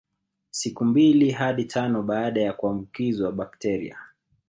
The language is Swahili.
Siku mbili hadi tano baada ya kuambukizwa bakteria